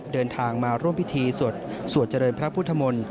เดินทางมาร่วมพิธีสวดเจริญพระพุทธมนตร์